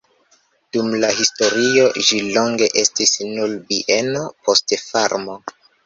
Dum la historio ĝi longe estis nur bieno, poste farmo.